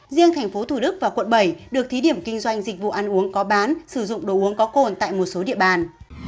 riêng tp thủ đức và quận bảy được thí điểm kinh doanh dịch vụ ăn uống có bán sử dụng đồ uống có cồn tại một số địa bàn